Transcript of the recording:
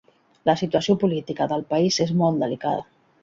La situació política del país és molt delicada.